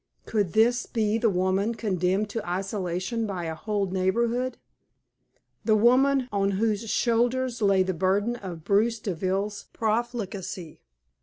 Could this be the woman condemned to isolation by a whole neighborhood the woman on whose shoulders lay the burden of Bruce Deville's profligacy?